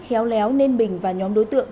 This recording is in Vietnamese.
khéo léo nên bình và nhóm đối tượng